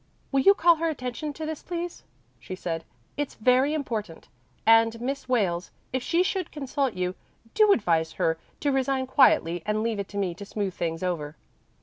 "Will you call her attention to this, please?" she said. "It's very important. And, Miss Wales, if she should consult you, do advise her to resign quietly and leave it to me to smooth things over."